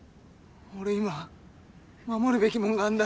俺今守るべきもんがあんだ。